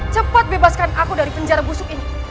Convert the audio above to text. cepat bebaskan aku dari penjara busuk ini